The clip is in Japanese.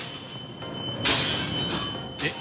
えっ？